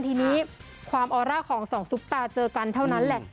ทีนี้ความออร่าของสองซุปตาเจอกันเท่านั้นแหละ